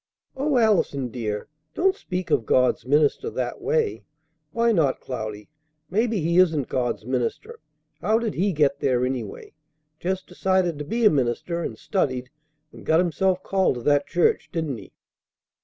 "O Allison, dear! Don't speak of God's minister that way!" "Why not, Cloudy? Maybe he isn't God's minister. How did he get there, anyway? Just decided to be a minister, and studied, and got himself called to that church, didn't he?"